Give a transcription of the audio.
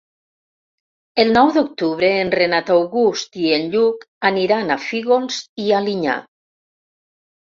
El nou d'octubre en Renat August i en Lluc aniran a Fígols i Alinyà.